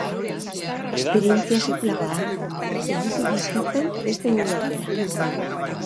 Esperientzia sekulakoa da, ez duzu bizitzen beste modu batera.